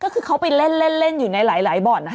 คือเขาไปเล่นอยู่ในหลายบอร์ดนะ